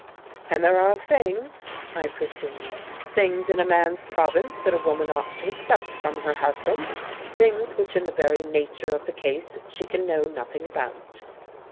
"And there are things," I pursued, "things in a man's province that a woman ought to accept from her husband, things which in the very nature of the case she can know nothing about."